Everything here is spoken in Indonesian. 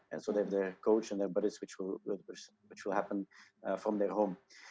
jadi mereka memiliki pengajar dan teman teman mereka yang akan berada di rumah